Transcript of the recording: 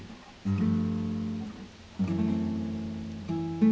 うん。